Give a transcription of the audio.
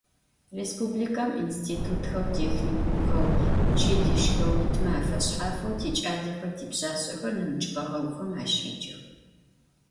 Rêspublikem yinstitutxeu, têxnikumxeu, vuçilişxeu yitme afeşshafeu tiç'alexer, tipşsaşsexer nemıç' xeğeguxem aşêcex.